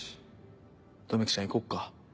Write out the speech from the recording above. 百目鬼ちゃん行こっか。